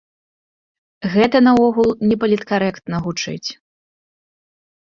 Гэта наогул непаліткарэктна гучыць.